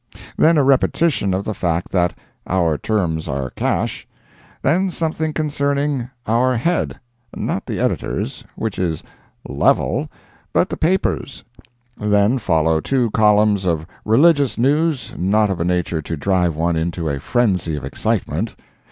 then a repetition of the fact that "our terms are cash;" then something concerning "our head"—not the editor's, which is "level," but the paper's; then follow two columns of religious news not of a nature to drive one into a frenzy of excitement.